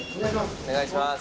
お願いします